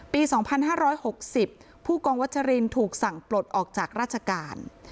ปีสองพันห้าร้อยหกสิบผู้กองวัชรินถูกสั่งปลดออกจากราชการ